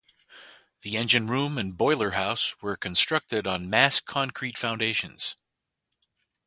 The engine room and boiler house were constructed on mass concrete foundations.